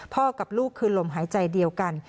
กับลูกคือลมหายใจเดียวกัน